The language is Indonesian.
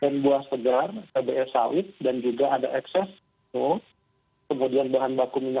nah perbedaan kondisinya